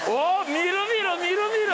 みるみるみるみる！